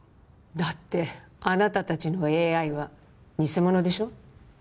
だってあなた達のＡＩは偽物でしょ